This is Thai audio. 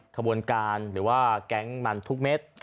ขบวนการหรือว่าแก๊งมันทุกเม็ด